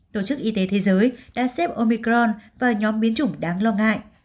tổ chức y tế thế giới đã xếp omicron vào nhóm biến chủng đáng lo ngại